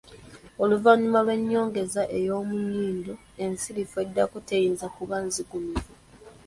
Oluvannyuma lw’enjogeza ey’omu nnyindo ensirifu eddako teyinza kuba nzigumivu